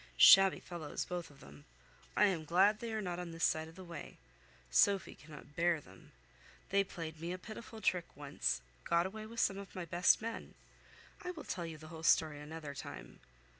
Shabby fellows, both of them! I am glad they are not on this side of the way. Sophy cannot bear them. They played me a pitiful trick once: got away with some of my best men. I will tell you the whole story another time.